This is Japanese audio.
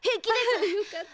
あよかった。